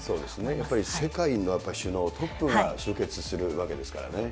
やっぱり世界の首脳、トップが集結するわけですからね。